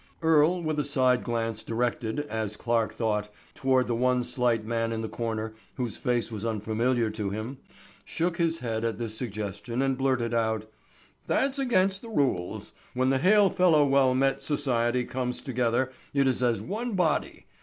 Earle, with a side glance directed, as Clarke thought, toward the one slight man in the corner whose face was unfamiliar to him, shook his head at this suggestion and blurted out: "That's against the rules. When the Hail Fellow Well Met Society comes together it is as one body.